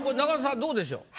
どうでしょう？